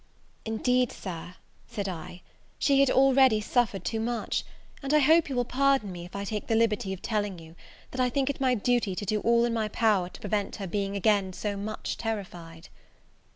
"Indeed, Sir," said I, "she had already suffered too much; and I hope you will pardon me, if I take the liberty of telling you, that I think it my my duty to do all in my power to prevent her being again so much terrified."